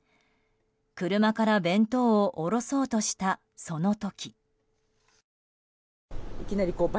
車から弁当を降ろそうとしたその時。